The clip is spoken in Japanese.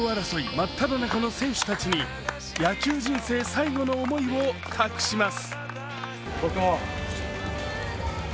まっただ中の選手に野球人生最後の思いを託します。